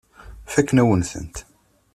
Fakken-awen-tent.